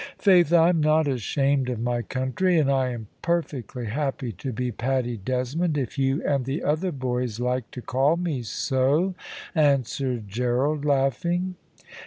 "Faith, I'm not ashamed of my country, and I am perfectly happy to be Paddy Desmond if you and the other boys like to call me so," answered Gerald, laughing.